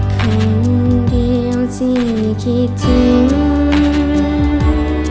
คำเดียวที่คิดถึง